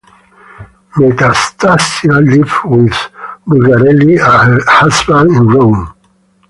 Metastasio lived with Bulgarelli and her husband in Rome.